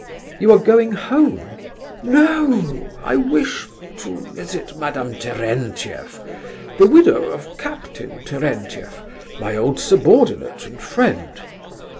"You are going home?" "No... I wish... to visit Madame Terentieff, the widow of Captain Terentieff, my old subordinate and friend.